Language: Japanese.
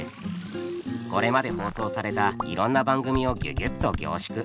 これまで放送されたいろんな番組をギュギュッと凝縮。